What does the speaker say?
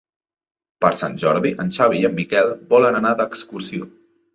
Per Sant Jordi en Xavi i en Miquel volen anar d'excursió.